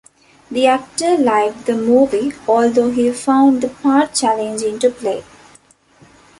The actor liked the movie although he found the part challenging to play.